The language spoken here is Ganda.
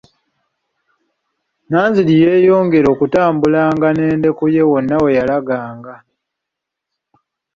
Nanziri yeeyongera okutambulanga n'endeku ye wonna we yalaganga.